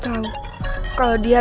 tahu si nya dia mah